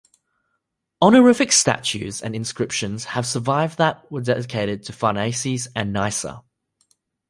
Honorific statues and inscriptions have survived that were dedicated to Pharnaces and Nysa.